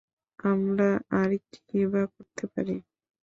আমরা আর কিই বা করতে পারি।